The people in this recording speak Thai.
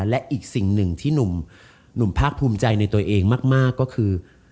และอีกสิ่งหนึ่งที่หนุ่มภาคภูมิใจในตัวเองมากก็คือ